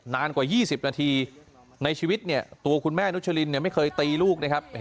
นานกว่า๒๐นาทีในชีวิตเนี่ยตัวคุณแม่นุชลินไม่เคยตีลูกนะครับ